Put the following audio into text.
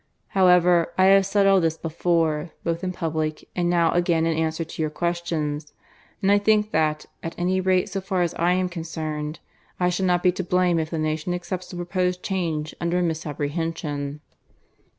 "However, I have said all this before, both in public and now again in answer to your questions; and I think that, at any rate so far as I am concerned, I shall not be to blame if the nation accepts the proposed change under a misapprehension.